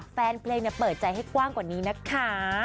แฟนเพลงเปิดใจให้กว้างกว่านี้นะคะ